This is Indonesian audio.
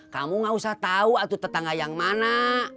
kamu gak usah tahu tetangga yang mana